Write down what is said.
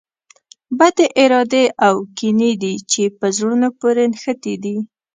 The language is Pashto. بدې ارادې او کینې دي چې په زړونو پورې نښتي دي.